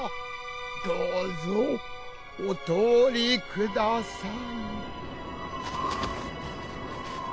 どうぞお通りください。